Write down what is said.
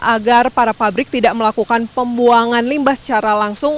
agar para pabrik tidak melakukan pembuangan limbah secara langsung